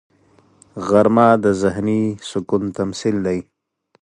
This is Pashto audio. غرمه د ذهني سکون تمثیل دی